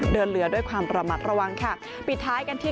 เดินเรือด้วยความระมัดระวังค่ะปิดท้ายกันที่